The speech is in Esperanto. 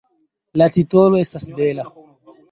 La titolo estas bela.